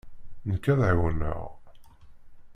Nekk ad ɛiwneɣ.